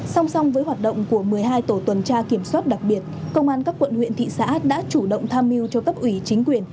song song với hoạt động của một mươi hai tổ tuần tra kiểm soát đặc biệt công an các quận huyện thị xã đã chủ động tham mưu cho cấp ủy chính quyền